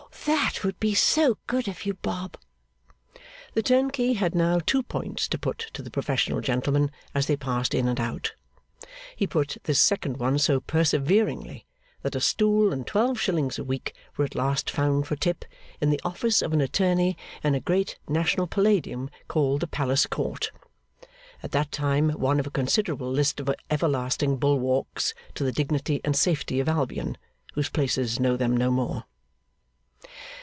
'That would be so good of you, Bob!' The turnkey had now two points to put to the professional gentlemen as they passed in and out. He put this second one so perseveringly that a stool and twelve shillings a week were at last found for Tip in the office of an attorney in a great National Palladium called the Palace Court; at that time one of a considerable list of everlasting bulwarks to the dignity and safety of Albion, whose places know them no more.